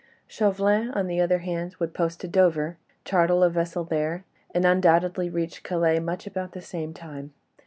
Chauvelin, on the other hand, would post to Dover, charter a vessel there, and undoubtedly reach Calais much about the same time.